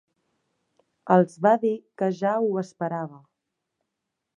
Els va dir que ja ho esperava.